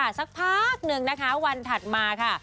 สักพักหนึ่งนะคะวันถัดมาค่ะ